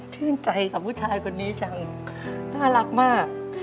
ชื่นใจกับผู้ชายคนนี้จังน่ารักมาก